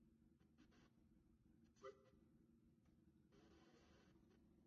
沙朗孔。